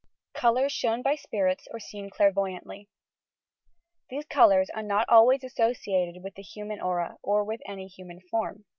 COLOURS SHOWN BY SPIRITS OR SEEN CLAmVOTANTLY These colours are not always associated with the hu man aura or with any human form.